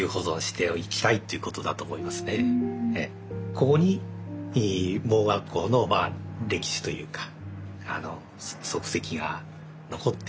ここに盲学校の歴史というか足跡が残っている。